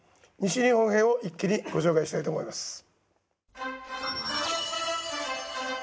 西日本編を一気にご紹介したいと思います。